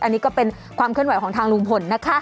อันนี้ก็เป็นความเคลื่อนไหวของทางลุงพลนะคะ